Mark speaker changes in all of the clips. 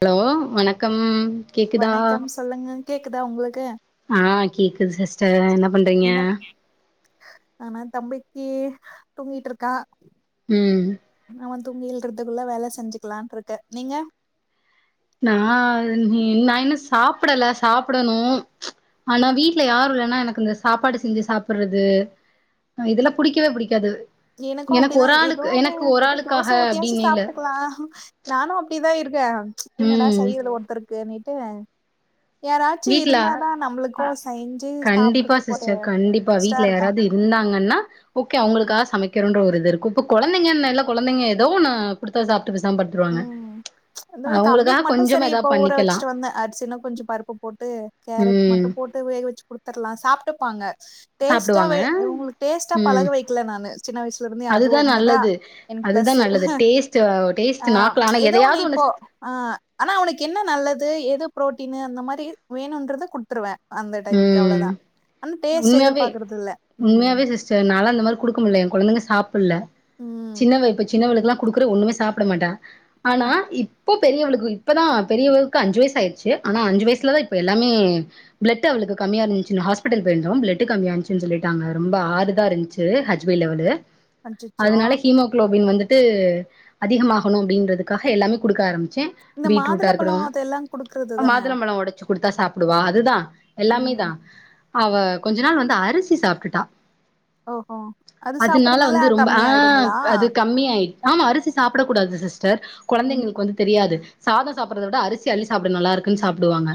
Speaker 1: hello வணக்கம் கேக்குதா
Speaker 2: வணக்கம் சொல்லுங்க கேக்குதா உங்களுக்கு
Speaker 1: ஆ கேக்குது சிஸ்டர் என்ன பண்றீங்க
Speaker 2: என்ன ஆனா தம்பிக்கு தூங்கிட்டுருக்கா
Speaker 1: ம்
Speaker 2: அவன் தூங்கிஎல்றதுக்குள்ள வேலை செஞ்சுக்கலான் இருக்கே நீங்க
Speaker 1: நான் நீ நான் இன்னும் சாப்படல சாப்டணும் ஆனா வீட்ல யாரும் லன்னா எனக்கு இந்த சாப்பாடு செஞ்சு சாப்பிடுறது அ இதெல்லா புடிக்கவே புடிக்காது
Speaker 2: எனக்கு அப்டிதா
Speaker 1: ஒரு ஆளுக்கு
Speaker 2: ஏதோன்னு
Speaker 1: எனக்கு ஒரு
Speaker 2: ஏதோ தோசை
Speaker 1: ஆளுக்காக
Speaker 2: ஊத்தியாசி
Speaker 1: அப்டின்னு இல்ல
Speaker 2: சாப்பிட்டுக்கலா நானு அப்டிதா இருக் இங்க என்னடா
Speaker 1: ம்
Speaker 2: செய்ருது ஒருத்தருக்குன்னிட்டு யாராச்சு
Speaker 1: வீட்ல
Speaker 2: இருந்தாதா
Speaker 1: அ
Speaker 2: நம்மளுக்கு செஞ்சு
Speaker 1: கண்டிப்பா
Speaker 2: சாப்டறதுக்கு ஒரு
Speaker 1: சிஸ்டர் கண்டிப்பா
Speaker 2: இன்ட்ரெஸ்டா
Speaker 1: வீட்டுல
Speaker 2: இருக்கு
Speaker 1: யாராவது இருந் தாங்கன்னா ஓகே
Speaker 2: ம்
Speaker 1: அவங்களுக்காக சமைக்கிறன்ற ஒரு இ து இருக்கு இப்க் கொழந்தைங்கனல்ல கொழந்தைங்க எதோ ஒன்னு குடுத்த சாப்பிட்டு பேசாம படுத்துருவாங்க
Speaker 2: அத எ தம்பிக்கு
Speaker 1: அவங்களுக்காக
Speaker 2: மட்டு
Speaker 1: கொஞ்சமா
Speaker 2: செரி இப்ப
Speaker 1: ஏதாவது
Speaker 2: ஊற
Speaker 1: பண்ணிக்கலா
Speaker 2: வச்சுட்டு வந்த அரிசினு கொஞ்சோ பருப்பு போட் டு கேரட்
Speaker 1: ம்
Speaker 2: மட்டு போட்டு வேக வச்சு குடுத்துறலா சாப்பிட்டுப்பாங்க
Speaker 1: சாப்டுவாங்க
Speaker 2: டேஸ்ட்டாவே இவங்களுக் டேஸ்ட்டா
Speaker 1: ம்
Speaker 2: பழக வெக்கல நானு சின்ன வயசுல இருந்து அது
Speaker 1: அதுதா
Speaker 2: ஒண்ணுதா
Speaker 1: நல்லது
Speaker 2: எனக்கு
Speaker 1: அதுதா
Speaker 2: பிளஸூ
Speaker 1: நல்லது டேஸ்ட் டேஸ்ட்
Speaker 2: ஆ
Speaker 1: நாக்குல ஆனா
Speaker 2: ஏதோ ஒண்ணு
Speaker 1: எதையாவது
Speaker 2: இப்போ ஆ ஆனா உனக்கு என்ன நல்லது எது பு்ரோட்டீனு அந்த மாரி வேணுன்றத குடுத்துருவே அந்த டைமுக்கு
Speaker 1: ம்
Speaker 2: அவ்ளதா ஆனா டேஸ்ட்
Speaker 1: உண்மையாவே
Speaker 2: எதிர்பாக்கறது இல்ல ம்
Speaker 1: உண்மையாவே சிஸ்டர் நாலா அந்த மாரி குடுக்க முடியல எ கொழந்தைங்க சாப்பிடல
Speaker 2: ம்
Speaker 1: சின்னவ இப்ப சின்னவளுக்கெல்லா குடுக்குற ஒண்ணமே சாப்பிட மாட்டா ஆனா இப் போ பெரியவளுக்கு இப்பதா பெரியவளுக்கு அஞ்சு வயசு ஆயிச்சு ஆனா அஞ்சு வயசுலதா இப்ப எல்லாமே பிளட்டு் அவளுக்கு கம்மியா இருந்துச்சுன்னு ஹாஸ்பெடல் போயிருந்தோ பிளட் கம்மியா இருந்துச்சுன்னு சொல்லிட்டாங்க ரொம்ப ஆறு தா இருஞ்ச்சு ஹெச் பில் லெவலு
Speaker 2: அச்சச்சோ
Speaker 1: அதனால ஹீமோகுளோபின் வந்துட்டு அதிகமாகணு அப்டின்றதுக்காக எல்லாமே குடுக்க ஆரம் ச்ச
Speaker 2: இந்த
Speaker 1: பீட்ரூடா
Speaker 2: மாதுள பழோ
Speaker 1: இருக்கணு
Speaker 2: அதெல்லா குடுக்கறது தான
Speaker 1: மாதுளம்பழோ ஒடைச்சு குடுத்தா சாப்பிடுவா அதுதா எல்லாமே
Speaker 2: ம்
Speaker 1: தா அவ கொஞ்ச நாள் வந்து அரிசி சாப்பிட்டுட்டா
Speaker 2: ஓஹோ அது
Speaker 1: அதனால
Speaker 2: சாப்பறதுனால
Speaker 1: வந்து ரொம்ப ஆஹ்
Speaker 2: கம்மியாயிடுங்களா
Speaker 1: அது கம்மியாயி ஆமா அரிசி சாப்பிட கூடாது சிஸ்டர்
Speaker 2: ம்
Speaker 1: கொழந்தைங்களுக்கு வந்து தெரியாது சாதம் சாப்படறதை விட அரிசி அள்ளி சாப்பிட நல்லா இருக்குன்னு சாப்பிடுவாங்க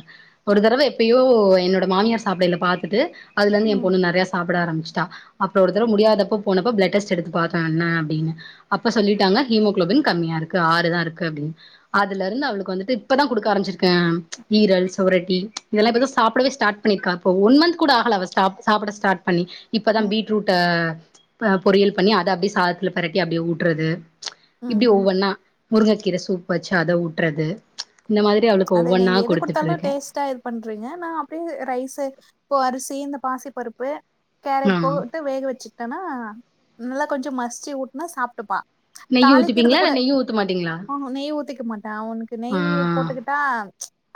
Speaker 1: ஒரு தடவை எப்பயோ என்னோட மாமியார் சாப்பிடயில பாத்துட்டு அதுல இருந்து என்
Speaker 2: ம்
Speaker 1: பொண்ணு நெறைய சாப் பிட ஆரம்பிச்சுடா அப்புற ஒருதர முடியாதப்ப போனப்ப பிளட் டெஸ்டு எடுத்து பாத்த என்ன அப்டின்னு அப்ப சொல்லிட்டாங்க ஹீமோகுளோபின் கம்மியா இருக்கு ஆறுதா இருக்கு அப்டின்னு அதுல இருந்து அவளுக்கு வந்துட்டு இப்பதா குடுக்க ஆரம்பிச்சிருக்கே ஈரல் சுவரொட்டி இதெல்லா இப்பதா சாப்பிடவே ஸ்டார்ட் பண்ணிருக்கா இப்போ ஓன் மந்த் கூட ஆகல அவ சாப் சாப்பிட ஸ்டார்ட் பண்ணி இப்பதா
Speaker 2: ம்
Speaker 1: பீட்ரூட்டா அ பொறியல் பண்ணி அத அப்டியே சாதத்துல பெரட்டி அப்டியே ஊட்டுறது இப்டி
Speaker 2: ம்ஹ்ம்
Speaker 1: ஒவ்வொன்னா முருங் கீர சூப் வெச்சு அத ஊட்றது
Speaker 2: அத நீங்க எது குடுத்தாலு டேஸ்ட்டா இது பண்றீங்க நா அப்டியே ரைஸு இப்போ அரிசி இந்த பாசிப்பருப்பு
Speaker 1: ஆ
Speaker 2: கேரட் போக விட்டு வேக வச்சுட்டேன்னா நல்லா கொஞ்சோ மசிச்சு ஊட்டுனா சாப்பிட்டுப்பா
Speaker 1: நெய்
Speaker 2: தாளிக்கிறது
Speaker 1: ஊத்திப்பீங்களா
Speaker 2: கூட
Speaker 1: இல்ல நெய்யும் ஊத்த மாட்டீங்களா
Speaker 2: ஆ நெய் ஊத்திக்க மாட்டே அவனுக்கு
Speaker 1: ஆ
Speaker 2: நெய் போட்டுக்கிட் ஆ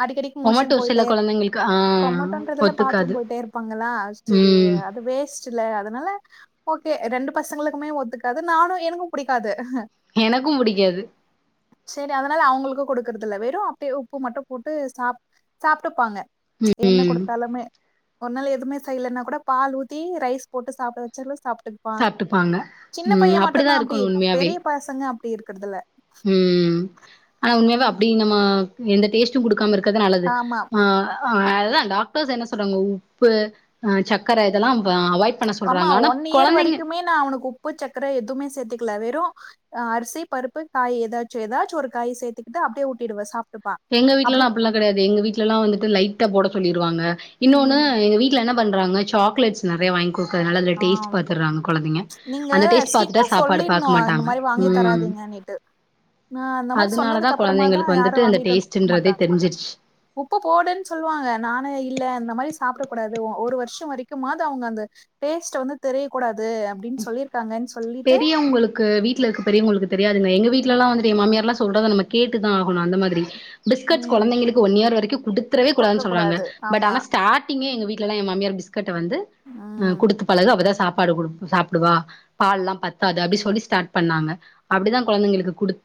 Speaker 2: அடிக்கடிக்கு மோஷன்
Speaker 1: மொமட்டோ சில
Speaker 2: போயிட்டே
Speaker 1: கொழந்தைங்களுக்கு ஆ
Speaker 2: கொமட்டன்றதுல்ல பாத்ரூம்
Speaker 1: ஒத்துக்காது
Speaker 2: போயிட்டே இருப்பாங்களா செரி
Speaker 1: ம்
Speaker 2: அது வேஸ்ட் இல்ல அதனால ஓகே ரெண்டு பசங்களுக்குமே ஒத்துக்காது நானு எனக்கு புடிக்காது
Speaker 1: எனக்கும் புடிக்காது
Speaker 2: செரி அதனால அவங்களுக்கு குடுக்குறதில்ல வெறு ட்டி உப்பு மட்டு போட்டு சாப் சாப்பிட்டுப்பாங்க என்ன
Speaker 1: ம்
Speaker 2: குடுத்தாலுமே ஒரு நாள்ல எதுவுமே செய்யலைன்னா கூட பால் ஊத்தி ரைஸ் போட்டு சாப்பிட வச்சாலு சாப்புட்டுப்பா
Speaker 1: சாப்ட்டுப்பாங்க
Speaker 2: சின்ன
Speaker 1: ம்
Speaker 2: பைய மட்டு
Speaker 1: அப்டிதா
Speaker 2: தா அப்டி
Speaker 1: இருக்கணு உண்மையாவே
Speaker 2: பெரிய பசங்க அப்டி இருக்கறதில்ல
Speaker 1: ம் ஆனா உண்மையாவ அப்டி நம்ம எந்த டேஸ்ட்டு குடுக்காம இருக் க நல்லது
Speaker 2: ஆமா
Speaker 1: ஆ அதா டாக்டர்ஸ் என்ன சொல்றாங்க உப்பு அ சக்கரை இதெல்லா அவாய்ட் பண்ண
Speaker 2: ஆமா
Speaker 1: சொல்றாங்க ஆனா
Speaker 2: ஒன் இயர்
Speaker 1: கொழந்தைங்க
Speaker 2: வரைக்குமே நா அவனுக்கு உப்பு சக்கர எதுவுமே சேத்துக்கல வெறு அ அரிசி பருப்பு காய் ஏதாச்சு ஏதாச்சு ஒரு காய் சேத்துகிட்டு அப்டியே ஊட்டிடுவே சாப்
Speaker 1: எங்க வீட்டுல எல்லா அப்டில்லா கெடையாது எங்க வீட்டுல எல்லா வந்துட்டு லைட்ட போட சொல்லிருவாங்க இன்னொன்னு
Speaker 2: ம்
Speaker 1: எங்க வீட்டுல என்ன பண்றாங்க சாக்லட்ஸ் நெறைய வாங்கி குடுக்கறதுனால அதுல
Speaker 2: ஆ
Speaker 1: டேஸ்ட் பாத்துறாங்க கொழந்தைங்க
Speaker 2: நீங்க
Speaker 1: அந்த டேஸ்ட் பாத்துட்டா
Speaker 2: ஸ்ட்ரிக்டா
Speaker 1: சாப்பாடு பாக்க மாட்டாங்க ம்
Speaker 2: னானிட்டு நா அந்த மாரி
Speaker 1: அதனாலதா
Speaker 2: சொன்னதுக்கு அப்புறமா தா
Speaker 1: கொழந்தைங்களுக்கு
Speaker 2: யாரு
Speaker 1: வந்துட்டு அந்த
Speaker 2: வாங்கி டு [inaudible]
Speaker 1: டேஸ்ட்ன்றதே
Speaker 2: மாட்டாங்க
Speaker 1: தெரிஞ்சிருச்சு
Speaker 2: உப்பு போடுன்னு சொல்லுவாங்க நானு இல்ல அந்த மாரிச் சாப்பிட கூடாது ஒ ஒரு வருஷொ வரைக்கும்மாது அவங்க அந்த டேஸ்ட்ட வந்து தெரிய கூடா
Speaker 1: பெரியவுங்களுக்கு வீட்டுல இருக்க பெரியவுங்களுக்கு தெரியாதுங்க எங்க
Speaker 2: ம்
Speaker 1: வீட்லலா வந்துட்டு எ மாமியார்லா சொல்றத நம்ம கேட்டுதா ஆகணு அந்த மாதிரி பிஸ்கட்ஸ்
Speaker 2: ம்
Speaker 1: கொழந்தைங்களுக்கு ஒன் இயர் வரைக்கு குடுத்துரவே கூடாதுனு
Speaker 2: குடுக்கக்
Speaker 1: சொல்றாங்க
Speaker 2: கூடாது
Speaker 1: பட்
Speaker 2: ஆமா
Speaker 1: ஆன ஸ்டாட்டிங்கே எங்க வீட்லாலா எ மாமியார் பிஸ்க் கெட்ட வந்து ம் குடுத்து பழகு அப்பதா சாப்பாடு கூட சாப்டுவா பால்லா பத்தாது அப்டி சொல்லி ஸ்டார்ட் பண்ணாங்க அப்படிதா கொழைந்தைங்களுக்கு குடுத்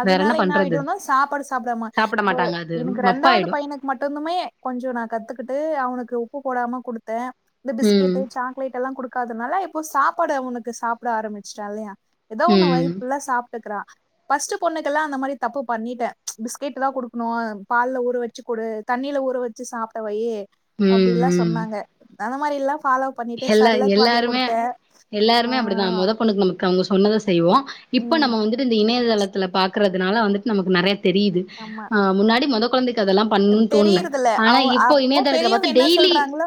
Speaker 2: அதுனால என்ன ஆயிடுனா சாப்பாடு சாப்டாம
Speaker 1: சாப்ட
Speaker 2: இப்போ
Speaker 1: மாட்டாங்க அது
Speaker 2: எனக்கு ரெண்டாவது
Speaker 1: மப்பாயிடு
Speaker 2: பையனுக்கு மட்டுதுமே கொஞ்சோ நா கத்துக்குட்டு அவனுக்கு உப்பு போடாம குடுத்தே இந்த
Speaker 1: ம்
Speaker 2: பிஸ்கெட்டு சாக்லேட்டெல்லா குடுக் காதனால இப்போ சாப்பாடு அவனுக்கு சாப்பிட ஆரம்பிச்சட்டா இல்லையா ஏதோ ஒன்னு
Speaker 1: ம்
Speaker 2: வயிறு ஃபுல்லா சாப் க்குறோ ஃபஸ்ட்டு பொண்ணுக்கெல்லா அந்த மாரி தப்பு பண்ணிட்டே பிஸ்கெட் தா குடுக்கணு பால்ல ஊற வச்சு கொடு தண்ணியில ஊற வச்சு சாப்டவையு
Speaker 1: ம்
Speaker 2: அப்டிலா
Speaker 1: ம்
Speaker 2: சொன்னாங்க அந்த மாரிலா
Speaker 1: எல்லா எல்லாருமே
Speaker 2: ஆ
Speaker 1: எல்லாருமே அப்டித்தா மொத பொண்ணுக்கு நமக்கு அவங்கச் சொன்னத செய்வோ இப்ப
Speaker 2: ம்
Speaker 1: நம்ம வந்துட்டு இந்த இணையதலத்துல பாக்குரதனால வந்துட்டு நமக்கு நெறைய தெரியுது
Speaker 2: ஆமா
Speaker 1: ஆ முன்னாடி மொத கொழந்தைக்கு கு அதெல்லா பண்ணு தோ
Speaker 2: தெரியறதுல்ல அவ அப்போ பெரியவங்க என்ன சொல்றாங்களோ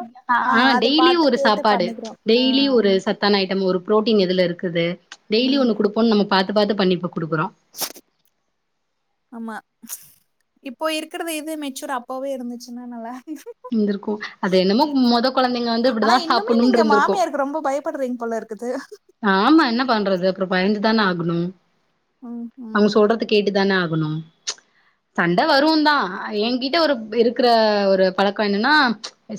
Speaker 2: ஆ அத பாத்து கேட்டு
Speaker 1: பாடு
Speaker 2: பண்ணிக்கிறோ ஆ
Speaker 1: டெய்லி ஒரு சத்தான ஐட்டம் ஒரு ப்ரோட்டீன் எதுல இருக்குது டெய்லி
Speaker 2: ம்
Speaker 1: ஒன்னு குடுப்போம்னு நம்ம பாத் து பாத்து பண்ணிட் போய் குடுக்குறோ
Speaker 2: ஆமா இப்போ இருக்குறது இது மெச்சூர் அப்பவே இருந்துச்சுன்னா நல்லா
Speaker 1: இருந்திருக்கு அது என்னமோ மொத கொழந்தைங்க வந்து
Speaker 2: ஆனா
Speaker 1: இப்படிதா
Speaker 2: இன்னுமே
Speaker 1: சாப்புட்ணுனு
Speaker 2: நீங்க
Speaker 1: இருந்திருக்கு
Speaker 2: மாமியருக்கு ரொம்ப பயப்படுறீங்க போ ல இருக்குது
Speaker 1: ஆமா என்ன பண்றது அப்புறோ பயந்துதானே ஆகணும்
Speaker 2: ம்
Speaker 1: அவங்க
Speaker 2: ம்
Speaker 1: சொல்றது கேட்டுதானே ஆ கணு சண்ட வரு தா எகிட்ட ஒருப் இருக்குற ஒரு பழக்கொ என்னன்னா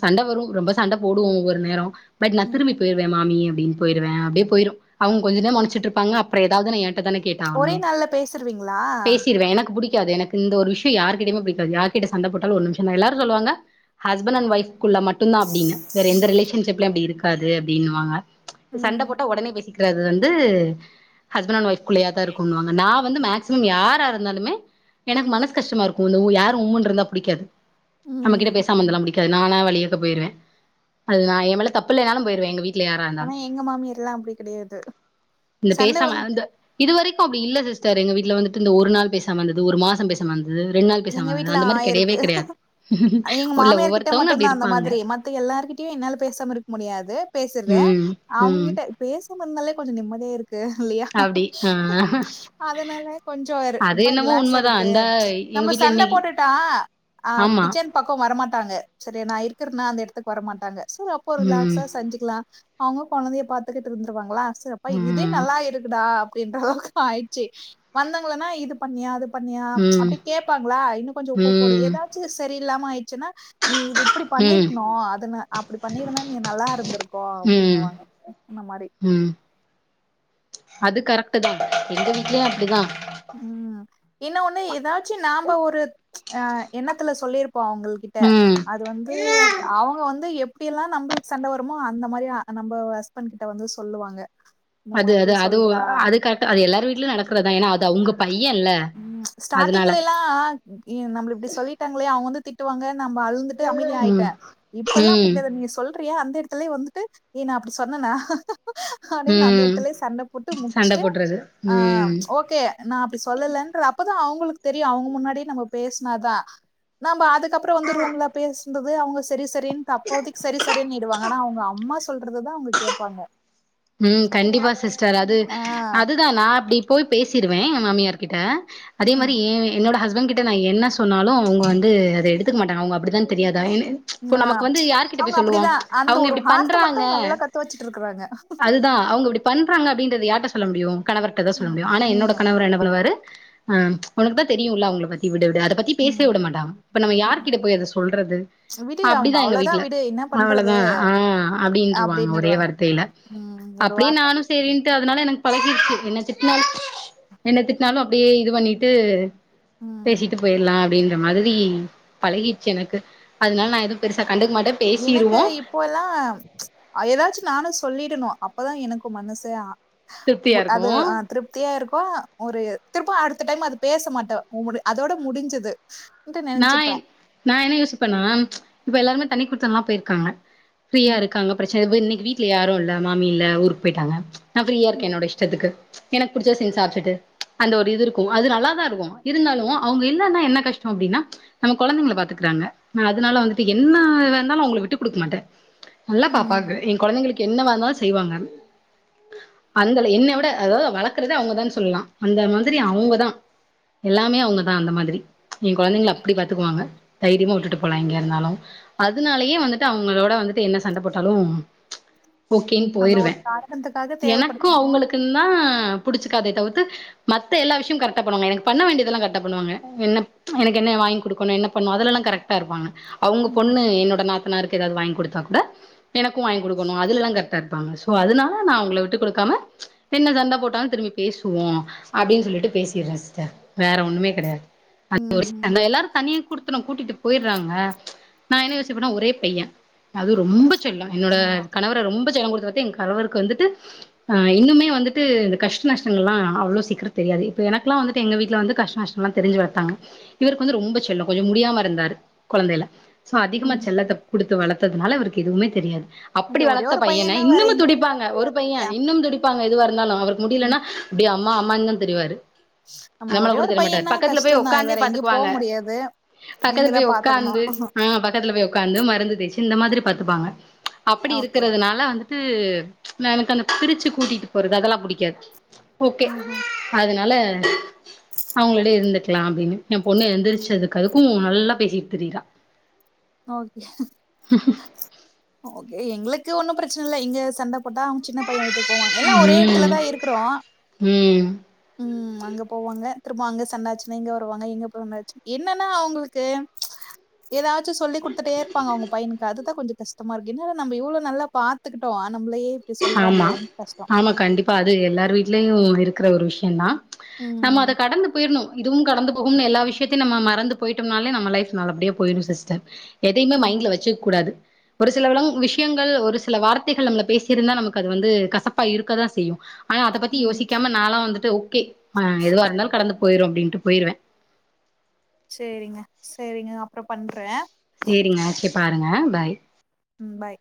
Speaker 1: சண்ட வரு கு ரொம்ப சண்ட போடுவோ ஒவ்வொரு நேரோ பட் நா
Speaker 2: ம்
Speaker 1: திரும்பி போயிருவே மாமி அப்டின்னு போயிருவே அப்டியே போயிரு அவங்க கொஞ்ச நேர மொனச்சிட்டு இருப்பாங்க அப்பறோ எதாவது நா எ ன்ட்ட தானே கேட்டாகனு
Speaker 2: ஒரே நாள்ல பேசிருவீங்களா
Speaker 1: பேசிடுவே எனக்கு புடிக் இல்ல அது எனக்கு இந்த ஒரு விஷயொ யார் கிட்டயுமே புடிக்காது யார்க்கிட்ட சண்டப்போட்டாலு ஒரு நிமிஷொதா எல்லாரு சொல்லுவங்க ஹஸ்பண்ட் அண்ட் ஒய்ஃப் குள்ள மட்டுதா அப்டினு வேற எந்த ரிலேஷன்ஷிப்லயு அப்டி இருக்காது அப்டின்னுவாங்க சண்ட
Speaker 2: ம்
Speaker 1: போட் பேசிக்கிறது வந்து ஹஸ்பண்ட் அண்ட் ஒய்ஃப்குள்ளேயா தா இருக்குனுவாங்க நா வந்து மேக்சிமம் யாரா இருந்தாலுமே எனக்கு மனசு கஷ்டமா இருக்கு இந்த ம் யாரு உம்முனு இருந்தா பிடிக்காது நம்ம கிட்ட
Speaker 2: ம்
Speaker 1: பேசாம இருந்தாலா பிடி க்காது நாலா வழியக்க போயிடுவே அது நா எ மேல தப்பில்லனாலும் போயிருவே எங்க வீ
Speaker 2: ஆனா எங்க மாமியார்ல்லா அப்டி கெடையாது
Speaker 1: இந்த
Speaker 2: சண்ட வந்
Speaker 1: பேசாம இந்த இது வரைக்கு அப்டி இல்ல சிஸ்டர் எங்க வீட்டுல வந்துட்டு இந்த ஒரு நாள் பேசாம இருந்தது ஒரு மாச பேசாம இருந் தது ரெண்டு நாள் பேசாம இருந் அந்த மாரி கெடையவே கெடையாது
Speaker 2: அ எங்க
Speaker 1: இல்ல
Speaker 2: மாமியார்கிட்ட
Speaker 1: ஒவ்வொருத்தவங்க அப்டி
Speaker 2: மட்டுதா அந்த
Speaker 1: இருப்பாங்க
Speaker 2: மாதிரி மத்த எல்லார்கிட்டயு என்னால பேசாம இருக்க முடியாது பேசுது
Speaker 1: ம் ம்
Speaker 2: அவங்ககிட்ட பேசுலனாலே கொஞ்சொ நிம்மதியா இருக் கு இல்லையா
Speaker 1: அப்டி ஆ
Speaker 2: அதனால கொஞ்சோ
Speaker 1: அது
Speaker 2: ரொம்ப
Speaker 1: என்னவோ
Speaker 2: ரிலாக்ஸா
Speaker 1: உண்மதா
Speaker 2: இருக்கு
Speaker 1: அந்த எங்க
Speaker 2: நம்ம
Speaker 1: வீட்ல
Speaker 2: சண்ட
Speaker 1: இன்னைக்கு
Speaker 2: போட்டுட்டா அ
Speaker 1: ஆமா
Speaker 2: கிச்சன் பக்கொ வரமாட்டாங்க சரியா நா இருக்கறது னா அந்த எடத்துக்கு வர மாட்டாங்க சரி அப்போ
Speaker 1: ம்
Speaker 2: ரிலாக்ஸா செஞ்சுக்கலா அவங்க கொழந்தைய பாத்துகிட்டு இருந்துறுவாங்களா செ அப்ப இதே
Speaker 1: ம்
Speaker 2: நல்லா இருக்குடா அப்டின்ற அளவுக்கு ஆயிச்சு வந்தாங்களன்னா இது பண்ணியா அது பண்ணியா
Speaker 1: ம்
Speaker 2: அப்டி கேப்பாங்களா இன்னு கொஞ்சொ உப்பு போடு
Speaker 1: ம்
Speaker 2: ஏதாச்சு செரியில்லாம ஆயி ச்சுன்னா நீ இது இப்டி
Speaker 1: ம்
Speaker 2: பண்ணிருக்குணு அது நா அப்டி பண்ணிருந்தா நீ நல்லா இருந்திருக்கு
Speaker 1: ம்
Speaker 2: அப்டின்னுவாங்க அந்த மாரி
Speaker 1: ம் அது கரெக்ட் தா எங்க வீட்லயு அப்டிதா
Speaker 2: ம் இன்னொ ஒண்ணு ஏதாச்சு நாம்ப ஒரு அ எண்ணத்துல சொல்லிருப் போ அவங்கள் கிட்ட
Speaker 1: ம்
Speaker 2: அது வந்து அவங்க வந்து எப் எப்டியெல்லா நம்பளுக்கு சண்ட வருமோ அந்த மாரிதா நம்ப ஹஸ்பண்ட் கிட்ட வந்து சொல்லுவாங்க இந்த
Speaker 1: அது
Speaker 2: மாதிரி
Speaker 1: அது அதுவு
Speaker 2: சொல்றா
Speaker 1: அது கரெக்ட் அது எல்லாரரு வீடிலு நடக்கறதா ஏன்னா அது அவங்க ப
Speaker 2: ம் ஸ்டார்டிங்ல எல்லா நம்மள இப்டி இ சொல்லிட்டாங்களே அவங்க வந்து திட்டுவாங்க நம்ப அழுதுட்டு அமைதி
Speaker 1: ம்
Speaker 2: ஆயிட்டே இப்பல்லா அப்டீ
Speaker 1: ம்
Speaker 2: கெடையாது நீ சொல் அப்பற எ அந்த எடத்துலயே வந்துட்டு ஏ நா அப்படி சொன்னனா அப்டின்னு அந்த
Speaker 1: ம்
Speaker 2: எடத்துலயே சண்டை போட்டு
Speaker 1: சண்ட
Speaker 2: முடிச்சுட்டு
Speaker 1: போட்றது
Speaker 2: ஆ
Speaker 1: ம்
Speaker 2: ஓகே நா அப்டி சொல்லலன்ற அப்பதா அவங்களுக்கு தெரியு அவங்க முன்னாடியே நம்ம பேசினாதா நம்ப அதுக் கப்பற வந்து ரூம்ல பேசுறது அவங்க சரி சரின் அப்போதிக்கு சரி சரினிடுவாங்கா அனா அவங்க அம்மா சொல் சொல்றதுதா அவங்க கேப்பாங்க
Speaker 1: ம் கண்டிப்பா சிஸ்டர் அது
Speaker 2: ஆஹ்
Speaker 1: அதுதா நா அப்டி போய் பேசிருவே ஏ மாமியார் கிட்ட அதே
Speaker 2: உம்
Speaker 1: மாரி ஏ என்னோட ஹஸ் பண் கிட்ட நா என்ன சொன்னாலு அவங்க வந்து அத எடுத்துக்க மாட்டாங்க அவங்க அப்படித்தா தெரியாதா இப்போ
Speaker 2: ஆஹ்
Speaker 1: நமக்கு வந்து யார்கிட்ட
Speaker 2: அவங்க
Speaker 1: போய் சொல்லுவோ
Speaker 2: அப்படிதான் அந்த
Speaker 1: அவங்க
Speaker 2: ஒரு
Speaker 1: இப்டி
Speaker 2: வார்த்தை
Speaker 1: பண்றாங்க
Speaker 2: மட்டும் நல்லா கத்து வச்சுட்டு இருக்கிறாங்க
Speaker 1: தா அவங்க இப்டி பண்றாங்க அப்டின்றது யார்ட சொல்ல முடியு கணவர்ட தா சொல்ல
Speaker 2: உம்
Speaker 1: முடியு ஆனா என்னோட
Speaker 2: உம்
Speaker 1: கணவர் என்ன பண்ணுவாரு ஆ உனக்கு தா தெரியும்ல அவங்கள பத்தி விடு அத பத்தி பேசவே
Speaker 2: உம்
Speaker 1: விட மாட்டாங்க இப்ப நம்ம யாரு கிட்ட போய் அத சொல்றது
Speaker 2: விடு அவங்க
Speaker 1: அப்படிதா எங்க
Speaker 2: அவ்வளவுதான்
Speaker 1: வீட்டுல
Speaker 2: விடு என்ன பண்றது
Speaker 1: அவ்வளதா ஆ அப்டின்ருவாங்க ஒரே
Speaker 2: அப்படின்னுடுவாங்க
Speaker 1: வார்த்தையில
Speaker 2: உம் ஒரு
Speaker 1: அப்டியே
Speaker 2: வார்த்தை
Speaker 1: நானு சேரின்ட்டு அதனால எனக்கு பழகிடுச்சு என்ன திட்டினால் என்ன திட்டினாலு அப்படியே இது பண்ணிட்டு
Speaker 2: உம்
Speaker 1: பேசிட்டு போயிலா அப்படின்ற மாரி பழகிடுச்சு எனக்கு அதனால நா எதும் பெருசா கண்டுக்க மாட்டேன்
Speaker 2: எனக்கு
Speaker 1: பேசிருவோம்
Speaker 2: இப்போல்லா ஏதாச்சு நானு சொல்லி ரணு அப்பதா எனக்கு மனசே ஆ
Speaker 1: திருப்தியா
Speaker 2: அது ஆ
Speaker 1: இருக்கும்
Speaker 2: திருப்தியா இருப்போ ஒரு திருப்ப அது த்த டைம் அது பேச மாட்டோ அதோட முடிஞ்சுது
Speaker 1: நா நா என்ன யோசிப்பேண்ணா இப்ப எல்லாருமே தனி குடுத்தனல்லா போயிருக்காங்க ஃப்ரீயா
Speaker 2: ம்
Speaker 1: இருக்காங்க பிரச் சேவு இன்னைக்கு வீட்டுல யாரு இல்ல மாமி இல்ல ஊருக்கு போயிட்டாங்க நான் ப்ரீயா இருக்கே என்னோட இஷ்டத்துக்கு எனக்கு புடிச்சத செஞ் சாப்ச்சுட்டு அந்த ஒரு இது இருக்கு அது நல்லாதா இருக்கு இருந்தாலு அவங்க இல்லன்னா என்ன கஷ் அப்டின்னா நம்ம கொழந்தைங்கள பாத்துக்குறாங்க ந அதனால வந்துட்டு என்ன வேனாலு அவங்கள விட்டுக்குடுக்க மாட்டே நல்லா
Speaker 2: ம்
Speaker 1: பாப்பாங்க ஏ கொழந்தைங்களுக்கு என்னவா இருந்தாலு செய்வாங்க அந்தல என்னய் விட அதாவது வளர்க்கறதே அவங்கதா சொல்லலா அந்த மாதிரி அவங்கதா எல்லாமே அவங்கதா அந்த மாதிரி ஏ கொழந்தைங்கள அப்டி பாத்துக்குவாங்க தைரியமா விட்டுட்டு போலா எங்கயாருந்தாலு அதனாலேயே வந்துட்டு அவங்களோட வந்துட்டு என்ன சண்ட போட்டாலு ஓகேன்
Speaker 2: அந்த
Speaker 1: போயிருவே
Speaker 2: ஒரு காரணத்துக்காக
Speaker 1: எனக்கு
Speaker 2: தேவப்படுதுன்னா
Speaker 1: அவங்களுக்குந்தா புடிச்சுக்காதே தவித்து மத்த எல்லா விஷயம் கரெக்டா பண்ணுவாங்க எனக்கு பண்ண வேண்டியதல்லா கரெக்ட்டா பண்ணுவாங்க என்ன எனக்கு என்னய் வாங்கி குடுக்கணு என்ன பண்ணு அதல்லா கரெக்ட்டா இருப்பாங்க அவங்க பொண்ணு என்னோட நாத் னாருக்கு ஏதாவது வாங்கி குடுத்தா கூட எனக்கு வாங்கி குடுக்கணு அதுலல்லா கரெக்டா இருப்பாங்க சோ அதனால நா அவங்கள விட்டு குடுக் ம என்ன சண்ட போட்டாலு திரும்பி பேசுவோ அப்படின்னு சொல்லிட்டு பேசிறே சிஸ்டர் வேற ஒண்ணுமே கெடையாது அந்த ஒரு
Speaker 2: ம்ஹும்
Speaker 1: விஷய எல்லாரு தனி குடுத்தன கூட்டிட்டு போயிறாங்க நா என்ன யோசிபனா ஒரே பைய அது ரொம்ப செல்ல என்னோட
Speaker 2: ம்
Speaker 1: கணவர ரொம்ப செல்ல குடுத் ட்டு ஏ கனவருக்கு வந்துட்டு இன்னுமே வந்துட்டு இந்த கஷ்ட நஷ்டங்கள்லா அவ்ளவு சீக்கிர தெரியாது இப்ப எனக்குலா வந்துட்டு எங்க வீட்ல வந்துட்டு கஷ்டநஷ்டம்லா தெரிஞ்சு வளத்தாங்க இவருக்கு வந்து ரொம்ப செல்ல கொஞ்ச முடியாம இருந்தாரு குழந்தைல சோ அதிகமா
Speaker 2: ம்
Speaker 1: செல்லத்தை குடுத் து வளத்ததுனால அவருக்கு எதுவுமே தெரியாது
Speaker 2: இது
Speaker 1: அப்படி
Speaker 2: ஒரே
Speaker 1: வளத்த
Speaker 2: ஒரு
Speaker 1: பையன
Speaker 2: பையன்னா வேற
Speaker 1: இன்னமு
Speaker 2: எங்க
Speaker 1: துடிப்பாங்க ஒரு பைய இன்னும் துடிப் ப்பாங்க எதுவ இருந்தாலு அவருக்கு முடியலன்னா
Speaker 2: ம்
Speaker 1: அப்டி அம்மா அம்மானு தா திரிவாரு
Speaker 2: ஆமா
Speaker 1: நம்மள
Speaker 2: ஒரே
Speaker 1: கூட
Speaker 2: ஒரு
Speaker 1: தெரிய மாட்டாரு
Speaker 2: பையன்னா
Speaker 1: பக்கத்துல போய் ஒக்
Speaker 2: கஷ்டந்தா
Speaker 1: காந்தே
Speaker 2: வேற எங்கயு போ
Speaker 1: பாத்துக்குவாங்க
Speaker 2: முடியாது
Speaker 1: பக்கத்து
Speaker 2: நீங்க தா
Speaker 1: போய்
Speaker 2: பாத்துக்கணு
Speaker 1: ஒக்காந்து ஆ பக்கத்துல போய் உக்காந்து மருந்து தேச்சு இந்த மாதிரி பாத்துப்பாங்க அப்பிடி
Speaker 2: ஓகே ஓகே
Speaker 1: இருக்கிறதுனால வந்து து நா எனக்கு அந்த பிரிச்சு கூட்டிட்டு போறது அதெல்லா பிடிக்காது ஓகே
Speaker 2: ஆஹா
Speaker 1: அதனால அவங்களோடயே இருந்துக்லா அப்டினு எம் பொண்ணு எழுந்திரிச்சதுக்கு அதுக்கு நல்லா பேசிட்டு திரிரா
Speaker 2: ஓகே ஓகே எங்ளுக்கு ஒன்னு பிரச்சனை இல்ல இங்க சண்ட போட்டா அவங்க சின்ன பைய வீட்டுக் போவாங் எல்லா ஒரே எடத்துல
Speaker 1: ம்
Speaker 2: தா இருக்கறோ
Speaker 1: ம்
Speaker 2: ம் அங்க போவாங்க திரும்ப அங்க சண்ட ஆச்சுனா இங்க வருவாங்க எங்க போனாச்சு என்னனா அவுங்ளுக்கு எதாது சு சொல்லி குடுத்துட்டே இருப்பாங்க அவுங்க பையனுக்கு அதுதா கொஞ்ச கஷ்டமா இருக்கு என்னடா நம்ம இவ்ளோ நல்லா பாத்துகிட்டோ ஆ நம்மளயே இப்டி
Speaker 1: ஆமா
Speaker 2: சொல்றாங்களேன்னு கஷ்டோ
Speaker 1: ஆமா கண்டிப்பா அது எல்லார் வீட்லயு இருக்கற ஒரு விஷயந்தா நம்ம அத
Speaker 2: ம்
Speaker 1: கடந்து போயிர்ணு இதுவும் கடந்து போகும்னு எல்லா விஷயத்தையு நம்ம மறந்து போய்ட்டம்னாலே நம்ம லைஃப் நல்லபடியா போயிடு சிஸ்டர் எதையுமே
Speaker 2: ம்
Speaker 1: மைண்ட்ல வச்சுக்க கூடாது ஒரு சில வில விஷயங்கள் ஒரு சில வார்த்தைகள் நம்மள பேசி இருந்தா நமக்கு அது வந்து கசப்பா இருக்கதா செய்யு ஆனா அத பத்தி
Speaker 2: ம்
Speaker 1: யோசிக்காம நாளா வந்துட்டு ஓகே ஆ எதுவா இருந்தாலு கடந்து போயிரு அப்டின் டு போயிருவ
Speaker 2: சேரிங்க செரிங்க அப்புற பண்றே
Speaker 1: சேரிங்க ஓகே பாருங்க பாய்
Speaker 2: ம் பாய்